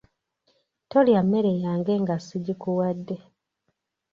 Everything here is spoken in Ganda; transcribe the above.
Tolya emmere yange nga sigikuwadde.